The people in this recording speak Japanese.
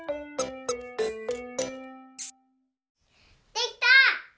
できた！